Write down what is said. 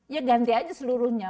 ya ganti aja seluruhnya